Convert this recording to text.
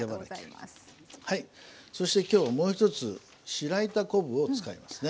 そして今日もう一つ白板昆布を使いますね。